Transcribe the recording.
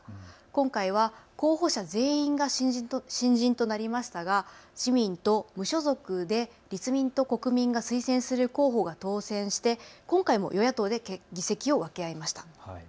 今回は候補者全員が新人となりましたが自民と無所属で立民と国民が推薦する候補が当選して今回も与野党で議席を分け合いました。